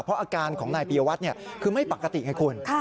เพราะอาการของนายปียวัตรคือไม่ปกติไงคุณ